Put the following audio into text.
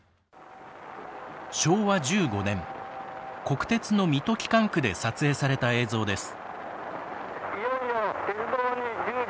昭和１５年国鉄の水戸機関区で撮影された映像です。